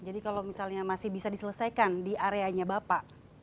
jadi kalau misalnya masih bisa diselesaikan di areanya bapak